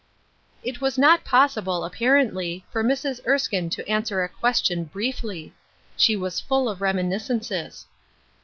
It was not possible, apparently, for Mrs. Ers kine to answer a question briefly. She was full of reminiscences.